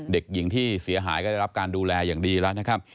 เด็กหญิงที่เสียหายก็ได้รับการดูแลอย่างดีแล้วนะครับ